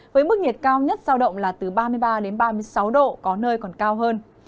với mức nhiệt cao nhất giao động là từ ba mươi ba đến ba mươi sáu độ có nơi còn cao hơn